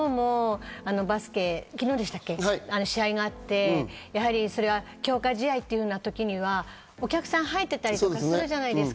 昨日でしたっけ、バスケの試合があって、強化試合というのの時には、お客さん入ってたりとかするじゃないですか。